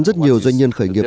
rất nhiều doanh nhân khởi nghiệp